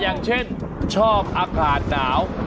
อย่างเช่นชอบอากาศหนาว